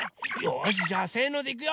よしじゃあせのでいくよ！